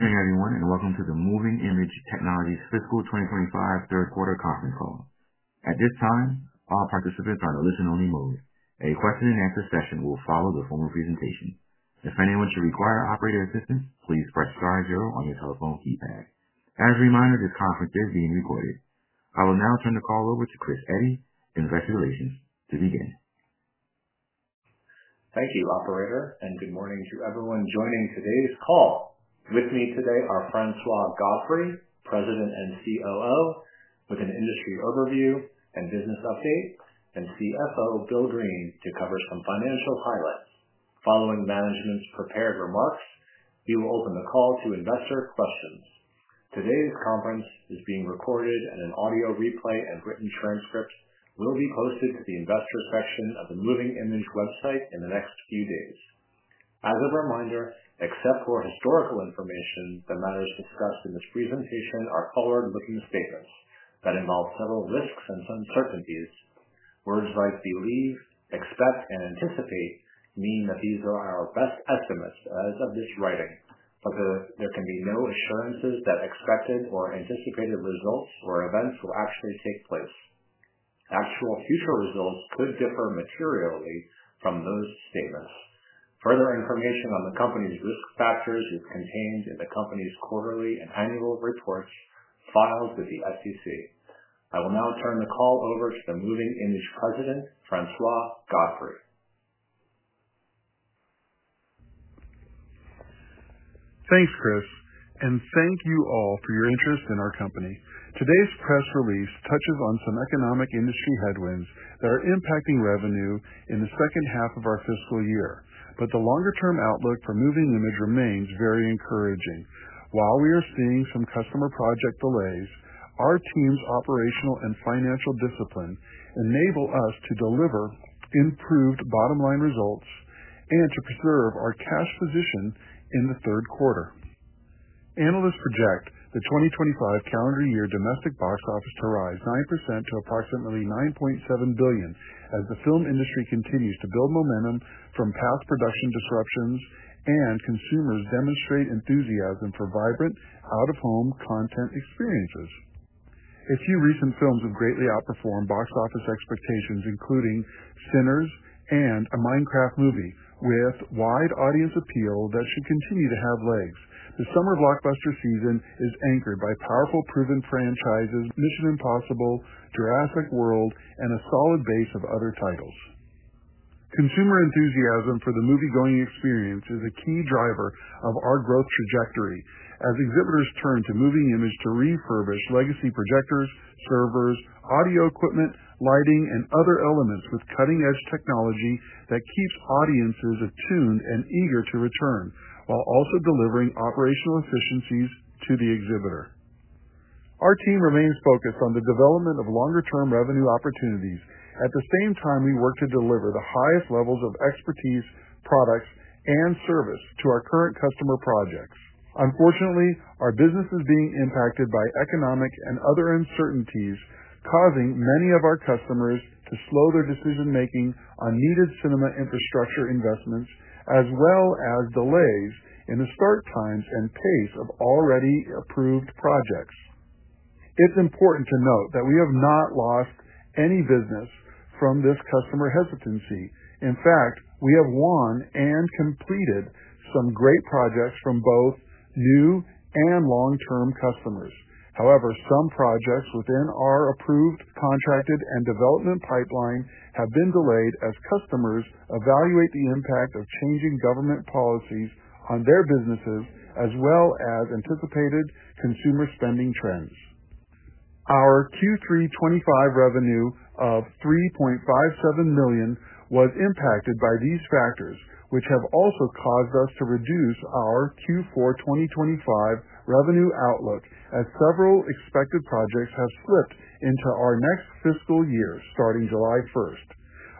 Good afternoon, everyone, and welcome to the Moving iMage Technologies fiscal 2025 third quarter conference call. At this time, all participants are in a listen-only mode. A question-and-answer session will follow the formal presentation. If anyone should require operator assistance, please press star zero on your telephone keypad. As a reminder, this conference is being recorded. I will now turn the call over to Chris Eddy, Investor Relations, to begin. Thank you, operator, and good morning to everyone joining today's call. With me today are Francois Godfrey, President and COO, with an industry overview and business update, and CFO Bill Greene to cover some financial highlights. Following management's prepared remarks, we will open the call to investor questions. Today's conference is being recorded, and an audio replay and written transcript will be posted to the investor section of the Moving iMage website in the next few days. As a reminder, except for historical information, the matters discussed in this presentation are forward-looking statements that involve several risks and uncertainties. Words like believe, expect, and anticipate mean that these are our best estimates as of this writing, but there can be no assurances that expected or anticipated results or events will actually take place. Actual future results could differ materially from those statements. Further information on the company's risk factors is contained in the company's quarterly and annual reports filed with the SEC. I will now turn the call over to the Moving iMage President, Francois Godfrey. Thanks, Chris, and thank you all for your interest in our company. Today's press release touches on some economic industry headwinds that are impacting revenue in the second half of our fiscal year, but the longer-term outlook for Moving iMage remains very encouraging. While we are seeing some customer project delays, our team's operational and financial discipline enable us to deliver improved bottom-line results and to preserve our cash position in the third quarter. Analysts project the 2025 calendar year domestic box office to rise 9% to approximately $9.7 billion as the film industry continues to build momentum from past production disruptions and consumers demonstrate enthusiasm for vibrant out-of-home content experiences. A few recent films have greatly outperformed box office expectations, including Sinners and a Minecraft Movie, with wide audience appeal that should continue to have legs. The summer blockbuster season is anchored by powerful, proven franchises: Mission: Impossible, Jurassic World, and a solid base of other titles. Consumer enthusiasm for the movie-going experience is a key driver of our growth trajectory as exhibitors turn to Moving iMage to refurbish legacy projectors, servers, audio equipment, lighting, and other elements with cutting-edge technology that keeps audiences attuned and eager to return, while also delivering operational efficiencies to the exhibitor. Our team remains focused on the development of longer-term revenue opportunities at the same time we work to deliver the highest levels of expertise, products, and service to our current customer projects. Unfortunately, our business is being impacted by economic and other uncertainties, causing many of our customers to slow their decision-making on needed cinema infrastructure investments, as well as delays in the start times and pace of already approved projects. It's important to note that we have not lost any business from this customer hesitancy. In fact, we have won and completed some great projects from both new and long-term customers. However, some projects within our approved, contracted, and development pipeline have been delayed as customers evaluate the impact of changing government policies on their businesses, as well as anticipated consumer spending trends. Our Q3 2025 revenue of $3.57 million was impacted by these factors, which have also caused us to reduce our Q4 2025 revenue outlook as several expected projects have slipped into our next fiscal year starting July 1st.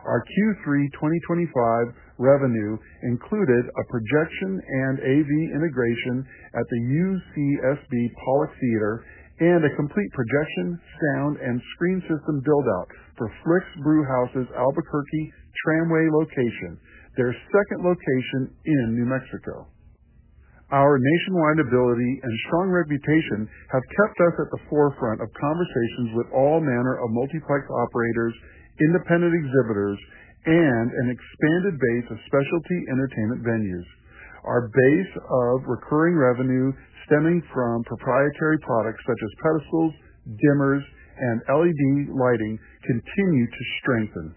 Our Q3 2025 revenue included a projection and AV integration at the UCSB Poli Sci Theater and a complete projection, sound, and screen system build-out for Flix Brewhouse's Albuquerque Tramway location, their second location in New Mexico. Our nationwide ability and strong reputation have kept us at the forefront of conversations with all manner of multiplex operators, independent exhibitors, and an expanded base of specialty entertainment venues. Our base of recurring revenue stemming from proprietary products such as pedestals, dimmers, and LED lighting continue to strengthen.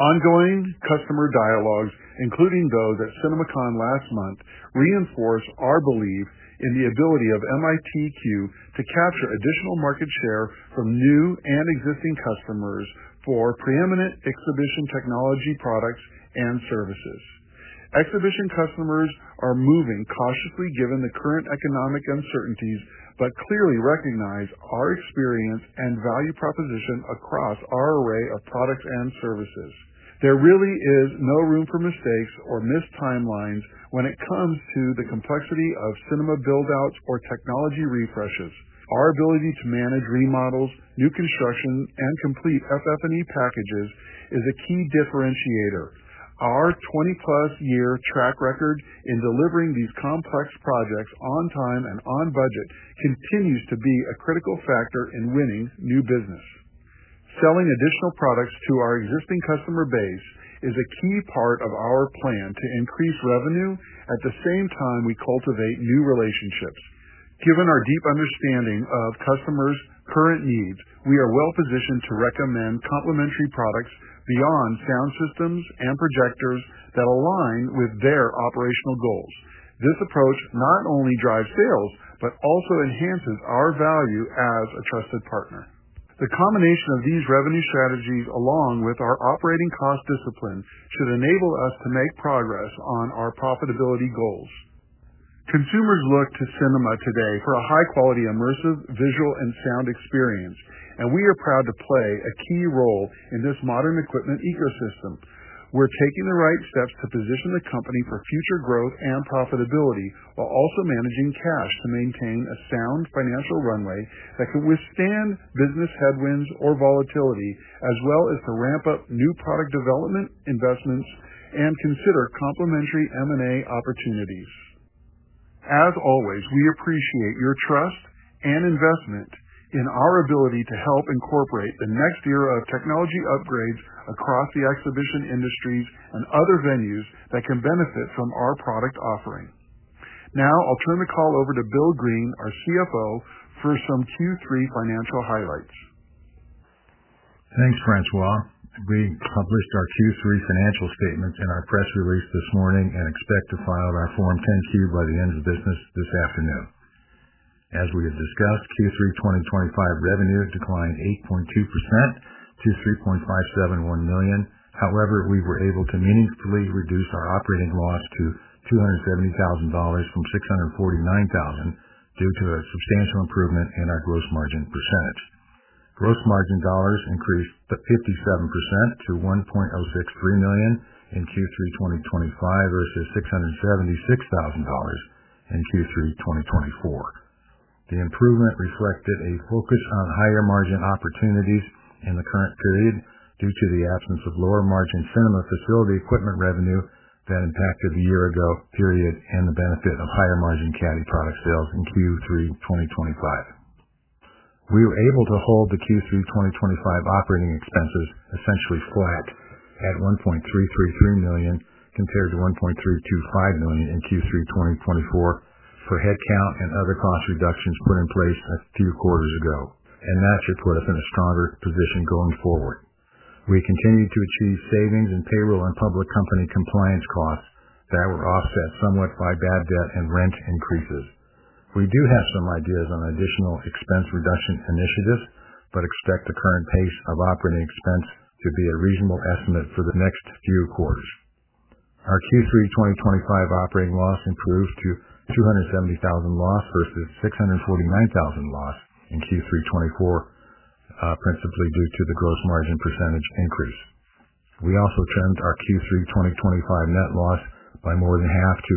Ongoing customer dialogues, including those at CinemaCon last month, reinforce our belief in the ability of MITQ to capture additional market share from new and existing customers for preeminent exhibition technology products and services. Exhibition customers are moving cautiously given the current economic uncertainties but clearly recognize our experience and value proposition across our array of products and services. There really is no room for mistakes or missed timelines when it comes to the complexity of cinema build-outs or technology refreshes. Our ability to manage remodels, new construction, and complete FF&E packages is a key differentiator. Our 20-plus year track record in delivering these complex projects on time and on budget continues to be a critical factor in winning new business. Selling additional products to our existing customer base is a key part of our plan to increase revenue at the same time we cultivate new relationships. Given our deep understanding of customers' current needs, we are well-positioned to recommend complementary products beyond sound systems and projectors that align with their operational goals. This approach not only drives sales but also enhances our value as a trusted partner. The combination of these revenue strategies, along with our operating cost discipline, should enable us to make progress on our profitability goals. Consumers look to cinema today for a high-quality immersive visual and sound experience, and we are proud to play a key role in this modern equipment ecosystem. We're taking the right steps to position the company for future growth and profitability while also managing cash to maintain a sound financial runway that can withstand business headwinds or volatility, as well as to ramp up new product development investments and consider complementary M&A opportunities. As always, we appreciate your trust and investment in our ability to help incorporate the next era of technology upgrades across the exhibition industries and other venues that can benefit from our product offering. Now, I'll turn the call over to Bill Greene, our CFO, for some Q3 financial highlights. Thanks, Francois. We published our Q3 financial statements in our press release this morning and expect to file our Form 10-Q by the end of business this afternoon. As we have discussed, Q3 2025 revenues declined 8.2% to $3.571 million. However, we were able to meaningfully reduce our operating loss to $270,000 from $649,000 due to a substantial improvement in our gross margin percentage. Gross margin dollars increased 57% to $1.063 million in Q3 2025 versus $676,000 in Q3 2024. The improvement reflected a focus on higher margin opportunities in the current period due to the absence of lower margin cinema facility equipment revenue that impacted the year-ago period and the benefit of higher margin E-Caddy product sales in Q3 2025. We were able to hold the Q3 2025 operating expenses essentially flat at $1.333 million compared to $1.325 million in Q3 2024 for headcount and other cost reductions put in place a few quarters ago, and that should put us in a stronger position going forward. We continued to achieve savings in payroll and public company compliance costs that were offset somewhat by bad debt and rent increases. We do have some ideas on additional expense reduction initiatives but expect the current pace of operating expense to be a reasonable estimate for the next few quarters. Our Q3 2025 operating loss improved to $270,000 loss versus $649,000 loss in Q3 2024, principally due to the gross margin % increase. We also trimmed our Q3 2025 net loss by more than half to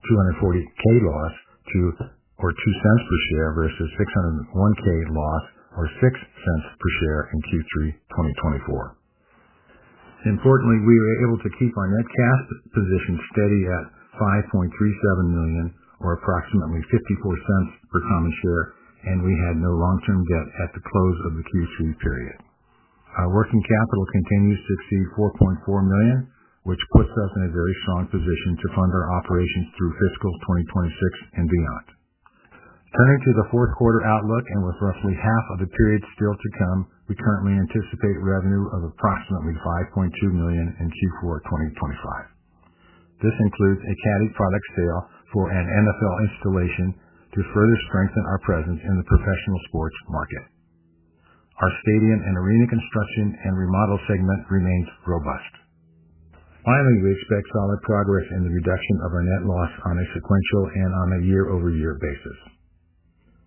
$240,000 loss or $0.02 per share versus $601,000 loss or $0.06 per share in Q3 2024. Importantly, we were able to keep our net cash position steady at $5.37 million or approximately $0.54 per common share, and we had no long-term debt at the close of the Q3 period. Our working capital continues to exceed $4.4 million, which puts us in a very strong position to fund our operations through fiscal 2026 and beyond. Turning to the fourth quarter outlook, and with roughly half of the period still to come, we currently anticipate revenue of approximately $5.2 million in Q4 2025. This includes a E-Caddy product sale for an NFL installation to further strengthen our presence in the professional sports market. Our stadium and arena construction and remodel segment remains robust. Finally, we expect solid progress in the reduction of our net loss on a sequential and on a year-over-year basis.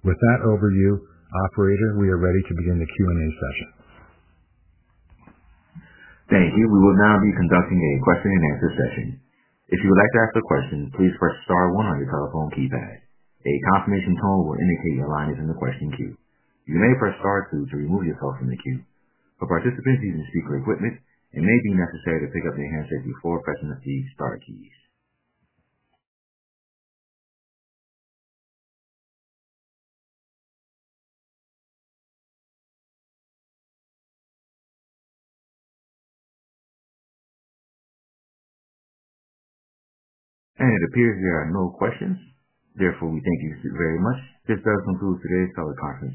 With that overview, operator, we are ready to begin the Q&A session. Thank you. We will now be conducting a question-and-answer session. If you would like to ask a question, please press star one on your telephone keypad. A confirmation tone will indicate your line is in the question queue. You may press star two to remove yourself from the queue. For participants using speaker equipment, it may be necessary to pick up their handset before pressing the star keys. It appears there are no questions. Therefore, we thank you very much. This does conclude today's teleconference.